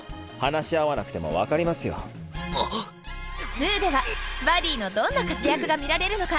「２」ではバディのどんな活躍が見られるのか。